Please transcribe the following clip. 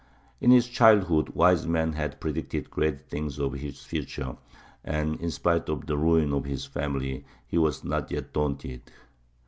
In his childhood wise men had predicted great things of his future, and in spite of the ruin of his family he was not yet daunted.